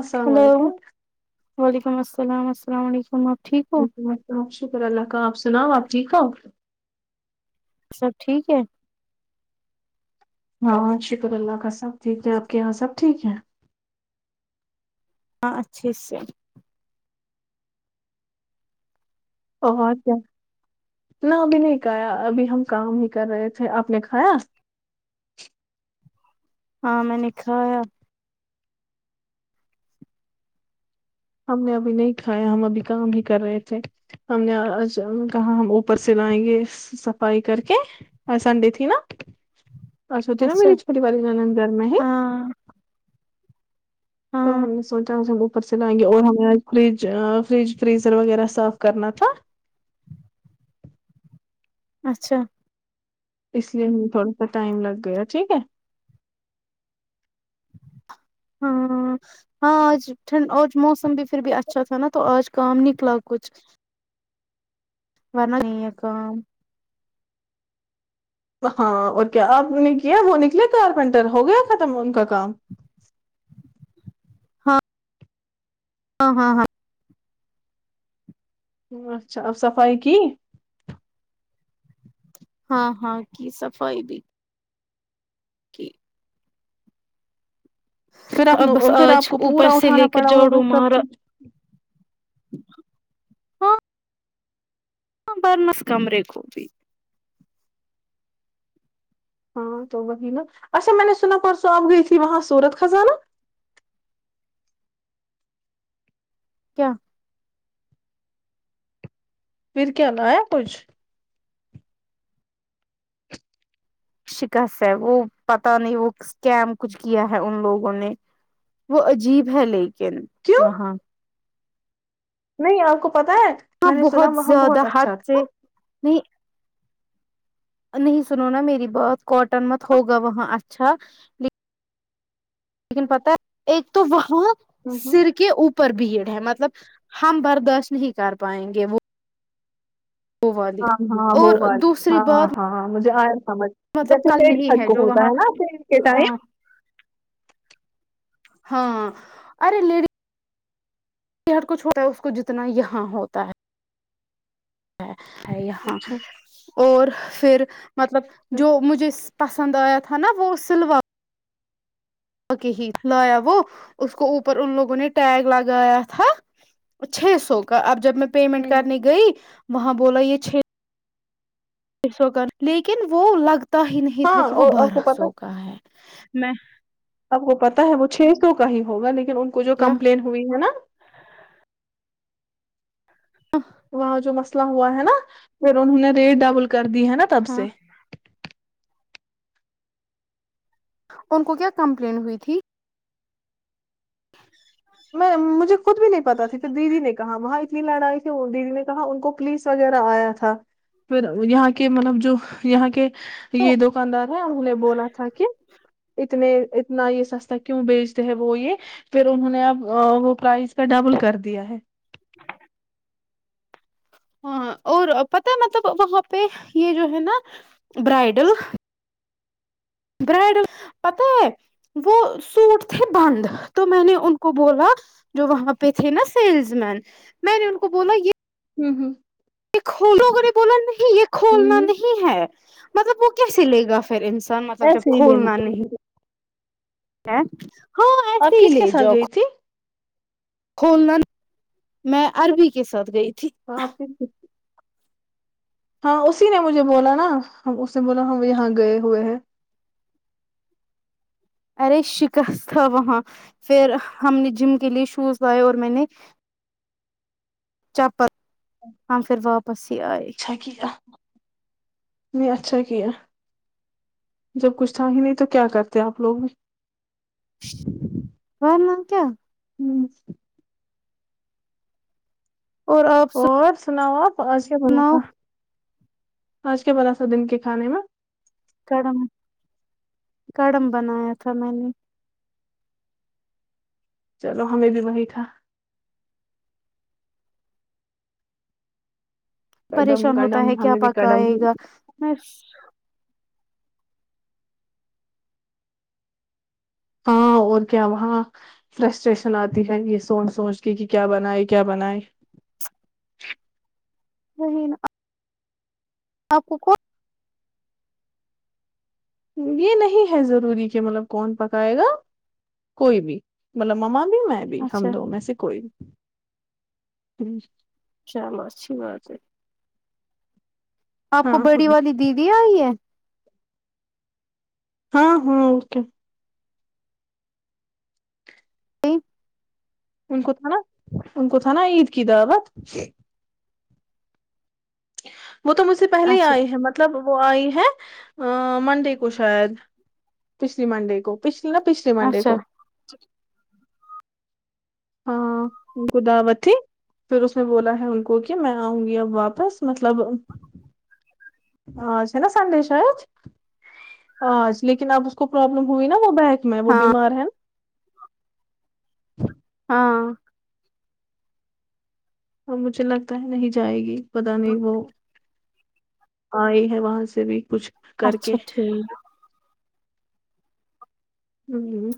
السلام ہلو علیکم وعلیکم السلام اسلام علیکم آپ ٹھیک ہو شکر اللہ کا آپ سناؤ آپ ٹھیک ہو سب ٹھیک ہے ہاں بہت شکر اللہ کا سب ٹھیک ہے آپ کے یہاں سب ٹھیک ہے ہاں اچھے سے بہت ہے نہ ابھی نہیں کھایا ابھی ہم کام ہی کر رہے تھے آپ نے کھایا ہاں میں نے کھا یا ہم نے ابھی نہیں کھایا ہم ابھی کام ہی کر رہے تھے ہم نے آج کہاں ہم اوپر سے لائیں گے صفائی کر کے آج سنڈے تھی نا اس ہوتی نا اچھا میری پھوٹی والی نانند گھر میں ہے ہاں تو ہاں ہم نے سوچا اس ہم اوپر سے لائیں گے اور ہمیں آج فریج فریج فریزر وغیرہ صاف کرنا تھا اچھا اس لیے ہم تھوڑا سا ٹائم لگ گیا ٹھیک ہے ہاں ہاں آج ٹھنڈ آج موسم بھی پھر بھی اچھا تھا نا تو آج کام نکلا کچھ ورنہ نہیں ہے کام ہاں اور کیا آپ نے کیا وہ نکلے کارپینٹر ہو گیا ختم ان کا کام ہاں ہاں ہاں ہاں اچھا اب صفائیی کی ہاں ہاں کی صفائی بھی کی پھر آپ اب بس پھر آج آپ کو اوپر پورا سے لے اٹھانا کر پڑا جاڑو ہوگا سب مارا کچھ ہاں برنس کمرے کو بھی ہاں تو وہی نا اچھا میں نے سنا پرسوں آپ گئی تھی وہاں سورت خزانہ کیا پھر کیا لایا کچھ شکست ہے وہ پتا نہیں وہ اسکم کچھ کیا ہے ان لوگوں نے وہ عجیب ہے لیکن کیوں وہاں نہیں آپ کو پتا ہے میں آپ نے سنا بہت وہاں زیادہ بہت حد اچھا سے تھا نہیں نہیں سنو نا میری بات کوٹن مت ہوگا وہاں اچھا لن لیکن پتا ہے ایک تو وہاں سر ہاں کے اوپر پر بھیڑ ہے مطلب ہم برداشت نہیں کر پائیں گے وہ والی ہاں ہاں وہ اور بات دوسری ہاں بات ہاں مجھے آیا سمجھ مطلب جیسے کل پڈ نہیں ہڈ کو جو ہوتا وہاں ہے نا کے ٹائم ہاں ہاں ارے لیڈ یہ ہر کو چھوڑتا ہے اس کو جتنا یہاں ہوتا ہے ہے ہے یہاں اچھا اور پھر مطلب اچھا جو مجھے پسند آیا تھا نا وہ سلوا اک ہی لایا وہ اس کو اوپر ان لوگوں نے ٹیگ لگایا تھا چھ سو کا اب جب میں پیمنٹ کرنے گئی وہاں بولا یہ چھ چھ سو کا لیکن وہ لگتا ہی نہیں ہاں تھا کہ وہ اور آپ کو بارہ پتا سو کا ہے میں اب ہوتا تھا ہوگا چھ سو کا ہی ہوگا لیکن ان کو جو کیا کمپلین ہوئی ہے نا آہ وہاں جو مسئلہ ہوا ہے نا پھر انہوں نے ریٹ ڈبل کر دی ہے نا تب ہاں سے ان کو کیا کمپلین ہوئی تھی میں مجھے خود بھی نہیں پتا تھی پھر دیدی نے کہا وہاں اتنی لڑائی کیوں ہوگئی دیدی نے کہا ان کو پولیس وغیرہ آیا تھا پھر یہاں کے مطلب جو یہاں کے یہ دکاندار ہے اور انیں بولا تھا کہ اتنے اتنا یہ سستا کیوں بیچتے ہیں وہ یہ پھر انہوں نے اب ہاں وہ پرائز کا ڈبل کر دیا ہے ہاں اور پتا ہے مطلب وہاں پہ یہ جو ہے نا برائڈل برائڈل پتا ہے وہ سوٹ تھے بند تو میں نے ان کو بولا جو وہاں پہ تھے نا سیلس مین میں نے ان کو بولا یہ ہوں ہوں یہ کھولو گے بولا نہیں یہ کھولنا ہ نہیں ہے مطلب وہ کیسے لے گا پھر انسان مطلب جب ایسے ہی کھولنا نہیں لینا ہے ہاں آپ ایسے ہی کس کے ساتھ گئی تھی کولنا میں عربی کے ساتھ گئی تھی کہاں پے ہاں اسی نے مجھے بولا نا ہم اس نے بولا یہاں گئے ہوئے ہیں ارے شکست تھا وہاں پھر ہم نے جم کے لیے شوز لائے اور میں نے چپل ہم پھر واپس ہی آئے ا [unintelligible] نہیں اچھا کیا جب کچھ تھا ہی نہیں تو کیا کرتے آپ لوگ ورنہ کیا ہوں اور آپ اور سناؤ آپ آج کیا بنا سناؤ تھا آج کیا بنا تھا دن کے کھانے میں کڑم کڑم بنایا تھا میں نے چلو ہمیں بھی وہی تھا کڈم پریشان ہوتا کڈم ہے کیا ہمیں بھی کڈم پکائے گا میں ہاں اور کیا وہاں فرسٹریشن آتی ہے یہ سوچ سوچ کے کہ کیا بنائے کیا بنائے نہیں نہ آپ کو کون یہ نہیں ہے ضروری کہ مطلب کون پکائے گا کوئی بھی مطلب مما بھی میں بھی اچھا ہم دو میں سے کوئی بھی ہ چلو اچھی بات ہے آپ ہاں کو بڑی والی دیدی آئی ہے ہاں ہاں اوکے ان کو تھا نا ان کو تھا نا عید کی دعوت وہ تو مجھ سے پہلے ہی اچھا آئی ہیں م طلب وہ آئی ہے اں منڈے کو شاید پچھلی منڈے کو پچھلی نہ پچھلے منڈے اچھا کو ہاں انکو دعوت تھی پھر اس نے بولا ہے ان کو کہ میں آؤں گی اب واپس مطلب آج ہے نہ سنڈے شاید آج لیکن اب اس کو پروابلم ہوئی نا وہ بینک میں وہ ہاں بیمار ہے نا ہاں اور مجھے لگتا ہے نہیں جائے گی پتا نہیں وہ آئی ہے وہاں سے بھی کچھ کر اچھا کے ٹھیک ہوں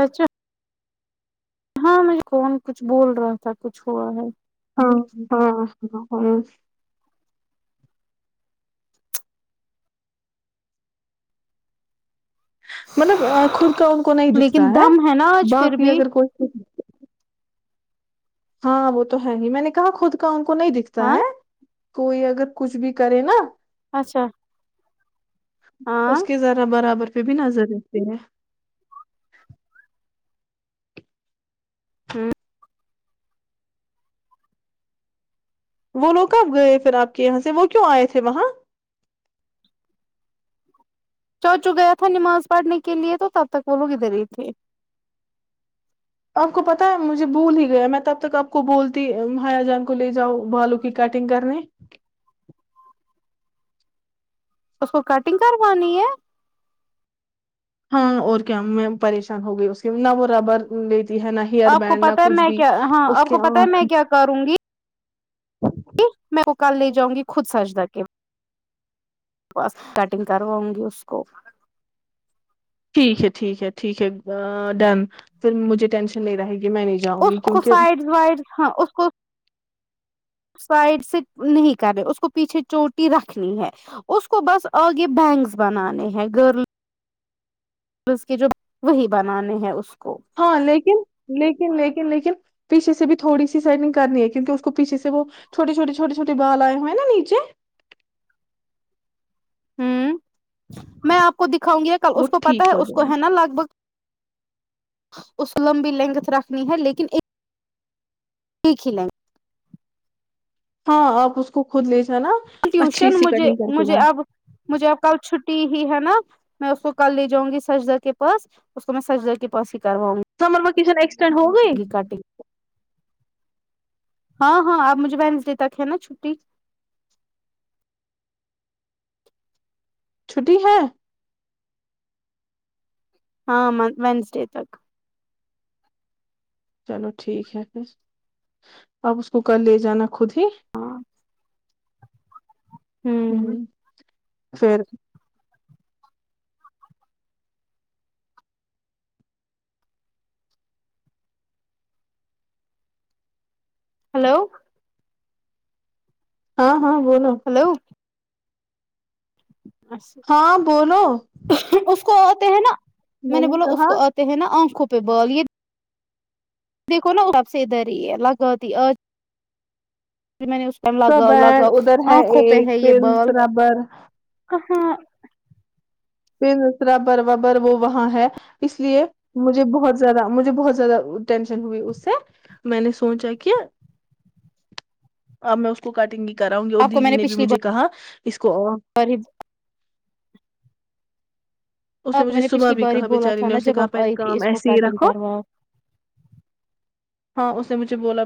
اچھا ہاں مجھے کون کچھ بول رہا تھا کچھ ہوا ہے ہاں ہاں ہاں ہاں مطلب آنکھوں کا ان کو نہیں لیکن دکھتا ہے دم نا آج پھر باقی بھی اگر کوئی ہاں وہ تو ہے ہی میں نے کہا خود کا ان کو نہیں دکھتا ہاں ہے کوئی اگر کچھ بھی کرے نا اچھا ہاں اس کے ذرا برابر پہ بھی نظر رہتی ہے ہوں وہ لوگ کب گئے پھر آپ کے یہاں سے وہ کیوں آئے تھے وہاں چاچو گیا تھا نماز پڑھنے کے لیے تو تب تک وہ لوگ ادھر ہی تھے آپ کو پتا ہے مجھے بھول ہی گیا میں تب تک آپ کو بولتی بھیا جان کو لے جاؤ بالوں کی کٹنگ کرنے اس کو کٹنگ کروانی ہے ہاں اور کیا میں پریشان ہو گئی اس کی نہ وہ ربر لیتی ہے نہ ہی آپ کو پتہ ہے میں کیا ہاں آپ کو پتہ ہے آنکھ میں کیا کروں گی میں وہ کل لے جاؤ گی خود ساجدہ کے پاس کٹنگ کرواؤں گی اس کو ٹھیک ہے ٹھیک ہے ٹھیک ہے اں ڈن پھر مجھے ٹینشن نہیں رہے گی میں نے اس کو سائڈ وائڈ ہاں اس کو سائڈ سے نہیں کر رہے اس کو پیچھے چوٹی رکھنی ہے اس کو بس آگے بینکس بنانے ہیں گرل بس کے جو وہی بنانے ہیں اس کو ہاں لیکن لیکن لیکن لیکن پیچے سے بھی تھوڑی سی سائٹنگ کرنی ہے کیونہ اس کو پیچھے سے وہ چھوٹے چھوٹ چھوٹے چھوٹے بال آئے ہوئے ہیں نا نیچے ہوں میں آپ کو دکھاؤں گی کل اس وہ کو پتا ٹھیک ہے ہو اس جائیں کو گے ہے نا لگ بھگ اس لمبی لینگت رکھنی ہے لیکن ایک ایک ہی لائن ہاں آپ اس کو خود لیے جا نا ٹیوشن مجھے مجھے اب مجھے اب کل چھٹی ہی ہے نا میں اس کو کل لے جاں گی سجدر کے پاس اس کو میں سجدر کے پاس ہی کرواؤں گی تو ماما میں کچن ایکسٹینڈ ہو گئی کی کٹنگ ہاں ہاں اب مجھے وینسڈے تک ہے نا چھٹی چھٹی ہے ہاں وان وینسڈے تک چلو ٹھیک ہے پھر آپ اس کو کل لے جانا خود ہی ہاں ھم ہوں پھر ہیلو ہاں ہاں بولو ہیلو بس ہاں بولو اس کو آتے ہیں نا میں نے بولا اس کو آتے ہیں نا آنکھوں پہ بال یہ دیکھو نا آب سے ادھر ہی ہے لگا دی آج میں نے کب لگاؤ اینڈ لگاؤ ادھر ہے آنکھوں پہ ہے ایک یہ بال پنس ربر کہاں پھر دوسرا بر ب بر وہ وہاں ہے اس لیے مجھے بہت زیادہ مجھے بہت زیادہ ٹینشن ہوئی اس سے میں نے سوچا کہ اب میں اس کو کٹن گی کراؤں گی اور آپ دیدی نے بھی مجھے کہا اس کو اور اس نے آپ میں مجھے صبح پچھلی بھی بار ہی کہا بولا بچاری تھا نے نا اسے جب کہا آپ پہ آئی تھی کام اس کو ایسے ہی کٹنگ رکھو کرواؤ ہاں اس نے مجھے بولا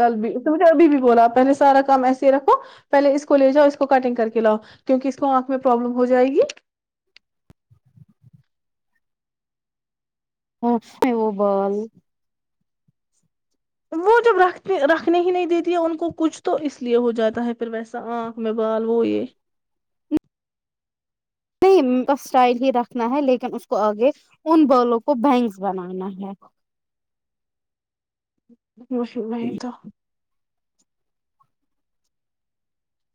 کل بھی اس نے مجھے ابھی بھی بولا پہلے سارا کام ایسا کے رکھو پہلے اس کو لے جاؤ اس کو کٹنگ کر کے لاؤ کیونکہ اس کو آنکھ میں پروابلم ہو جائے گی وہ بال [unintelligible] [inaudible] رکھ رکھنے ہی نہیں دیتی ہے ان کو کچھ تو اس لیے ہو جاتا ہے پھر ویسا آنکھ میں بال وہ یہ نہیں بس اسٹائل ہی رکھنا ہے لیکن اس کو آگے ان بالوں کو بینگس بنانا ہے بس نہیں تو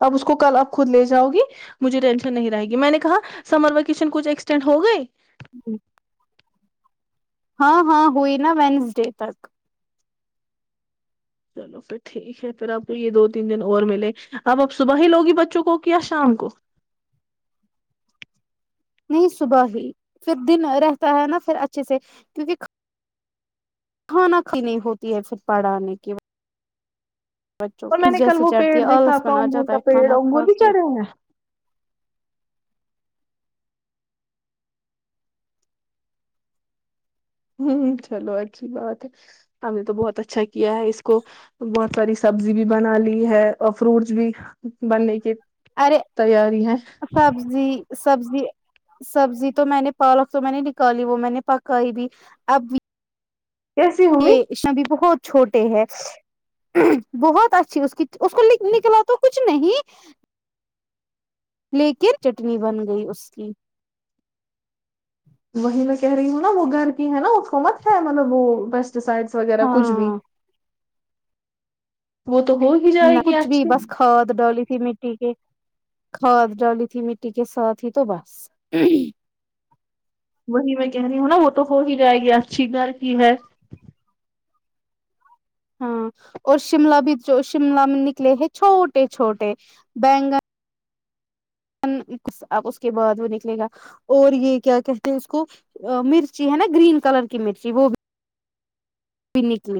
اب اس کو کل آپ خود لے جاؤ گی مجھے ٹینشن نہیں رہے گی میں نے کہا سمر ویکیشن کچھ ایکسٹینڈ ہو گئے ہاں ہاں ہوئی نا وینسڈے تک چلو پھر ٹھیک ہے پھر آپ کو یہ دو تین دن اور ملے اپ اپ صبح ہی لوگی بچوں کو یا شام کو نہیں صبح ہی پھر دن رہتا ہے نا پھر اچھے سے کیونکہ کھانک نہیں ہوتی ہے پھر پرھانے کی بچوں اور میں کو نے کل جیسے وہ چڑھتی پیڑ ہے دیکھا آلس اپا پن آ انگور جاتا کا ہے پیڑ کھانا انگور کھا بھی کے چڑھے ہیں ہوں چلو اچھی بات ہے ہم نے تو بہت اچھا کیا ہے اس کو بہت پری سبزی بھی بنا لی ہے اور فروٹس بھی بننے کے ارے سبزی سبزی سبزی تو میں نے پالک تو میں نے نکالی وہ میں نے پکائی بھی اب کیسی ہوئی انشا بھی بہت چھوٹے ہے بہت اچھی اس کی اس کو لک نکلا تو کچھ نہیں لیکن چٹنی بن گئی اس کی وہیں میں کہہ رہی ہوں نا وہ گھر کی ہے نا اس کو مت ہے مطلب وہ ہس تو سائڈس وغیرہ کچھ بھی ہاں وہ تو ہو ہی جائے نہ گی کچھ بھی اچھی بس کھاد ڈالی تھی مٹی کی کھاد ڈالی تھی مٹی کے ساتھ ہی تو بس وہی میں کہہ رہی ہوں نا وہ تو ہو ہی جائے گی اچھی گھر کی ہے ہاں اور شملہ بھی جو شملہ میں نکلے ہیں چھوٹے چھوٹے بینگن ن اب اس کے بعد وہ نکلے گا اور یہ کیا کہتے ہیں اس کو مرچی ہے نا گرین کلر کی مرچی وہ بھی بی نکلی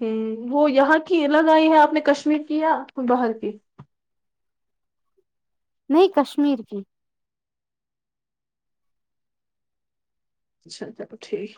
ہوں وہ یہاں کی لگائی ہیں آپ نے کشمیر کیا کو باہر کی نہیں کشمیر کی اچھا چلو ٹھیک